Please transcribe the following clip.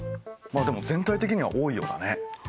まあでも全体的には多いようだね。